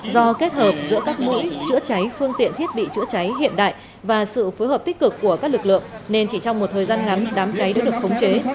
do kết hợp giữa các mũi chữa cháy phương tiện thiết bị chữa cháy hiện đại và sự phối hợp tích cực của các lực lượng nên chỉ trong một thời gian ngắn đám cháy đã được khống chế